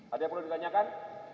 ada yang perlu ditanyakan